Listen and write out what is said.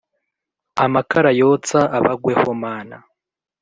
Amakara yotsa abagweho mana